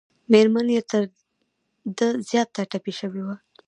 مېرمن یې تر ده زیاته ټپي شوې وه.